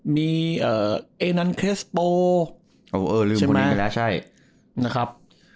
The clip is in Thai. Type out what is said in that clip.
มีเอ่อเอนันเคสโปใช่ไหมโอ้เออลืมไปแล้วใช่นะครับ